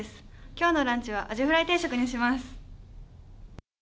今日のランチはあじフライ定食にします。